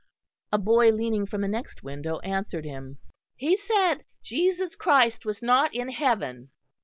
A boy leaning from the next window answered him. "He said Jesus Christ was not in heaven."